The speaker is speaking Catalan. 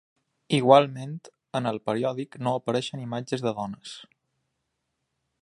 Igualment en el periòdic no apareixen imatges de dones.